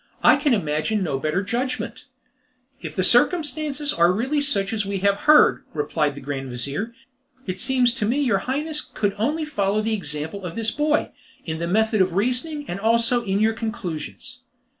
"I can imagine no better judgment." "If the circumstances are really such as we have heard," replied the grand vizir, "it seems to me your Highness could only follow the example of this boy, in the method of reasoning, and also in your conclusions."